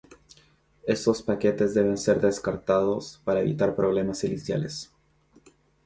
Esos paquetes deben ser descartados para evitar problemas iniciales.